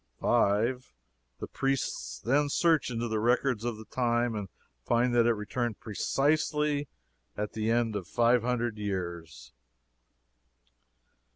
"5. The priests then search into the records of the time, and find that it returned precisely at the end of five hundred years."